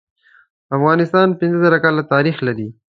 افغانستان پینځه زره کاله تاریخ لري.